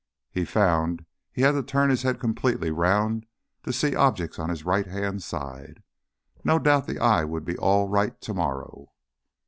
He found he had to turn his head completely round to see objects on his right hand side. No doubt that eye would be all right to morrow.